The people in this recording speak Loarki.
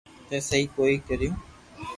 تي سھي ڪوئي ڪيريو